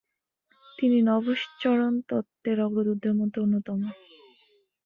তিনি নভশ্চরণ তত্ত্বের অগ্রদূতদের মধ্যে অন্যতম।